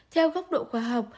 theo góc độ khoa học